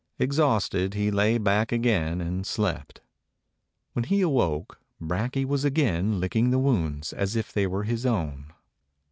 Exhausted, he lay back again and slept. When he awoke, Brakje was again licking the wounds as if they were his own.